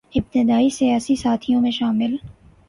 ابتدائی سیاسی ساتھیوں میں شامل